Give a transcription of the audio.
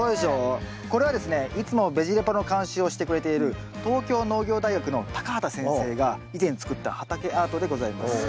これはですねいつもベジ・レポの監修をしてくれている東京農業大学の畑先生が以前作った畑アートでございます。